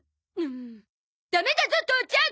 ダメだゾ父ちゃん！